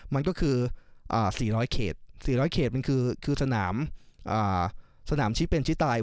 มันก็คือ๔๐๐เขตมันคือสนามชิ้นเป็นชิ้นตาย